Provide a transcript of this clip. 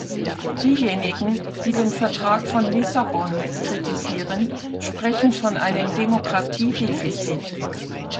Diejenigen, die den Vertrag von Lissabon kritisieren, sprechen von einem Demokratiedefizit.